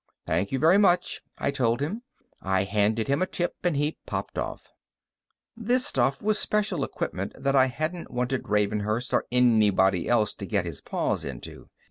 "Thank you very much," I told him. I handed him a tip, and he popped off. This stuff was special equipment that I hadn't wanted Ravenhurst or anybody else to get his paws into.